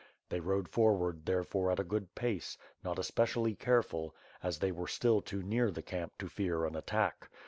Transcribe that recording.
They rode forward therefore, at a good pace; not especially carefully, as they were still too near the camp to fear an attack.